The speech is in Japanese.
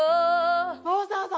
そうそうそう。